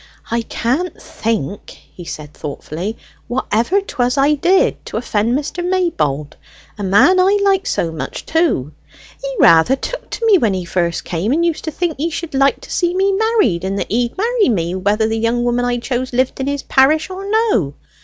"I can't think," he said thoughtfully, "whatever 'twas I did to offend Mr. Maybold, a man I like so much too. He rather took to me when he came first, and used to say he should like to see me married, and that he'd marry me, whether the young woman I chose lived in his parish or no.